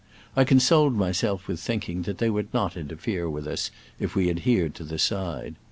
I consoled myself with thinking that they would not interfere with us if we adhered to the side.